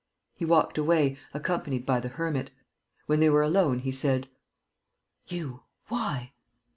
He walked away, accompanied by the hermit. When they were alone, he said: "You! Why?"